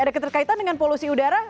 ada keterkaitan dengan polusi udara